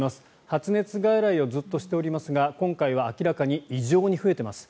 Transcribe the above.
発熱外来をずっとしておりますが今回は明らかに異常に増えております。